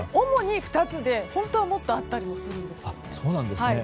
主に２つで本当はもっとあったりもします。